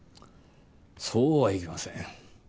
そうはいきません。